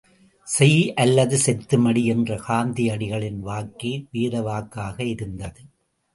செய் அல்லது செத்து மடி என்ற காந்தியடிகளின் வாக்கே வேதவாக்காக இருந்தது.